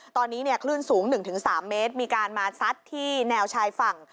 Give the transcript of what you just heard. ตอนนี้คลื่นสูง๑๓เมตรมีการมาซัดที่แนวชายฝั่ง